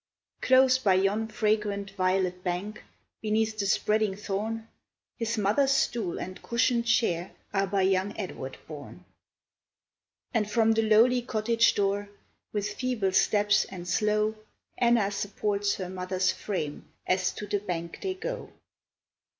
Close by yon fragrant violet bank, Beneath the spreading thorn, His mother's stool and cushion'd chair Are by young Edward borne. And from the lowly cottage door, With feeble steps and slow, Anna supports her mother's frame, As to the bank they go.